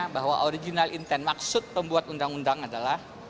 bahwa original intent maksud pembuat undang undang adalah